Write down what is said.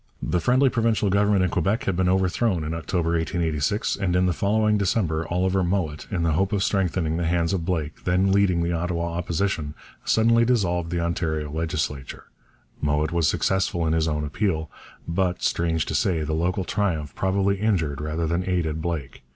The friendly provincial Government in Quebec had been overthrown in October 1886, and in the following December Oliver Mowat, in the hope of strengthening the hands of Blake, then leading the Ottawa Opposition, suddenly dissolved the Ontario legislature. Mowat was successful in his own appeal. But, strange to say, the local triumph probably injured rather than aided Blake.